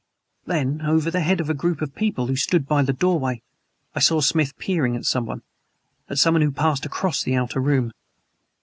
Then, over the heads of a group of people who stood by the doorway, I saw Smith peering at someone at someone who passed across the outer room.